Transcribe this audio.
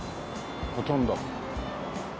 ほとんど。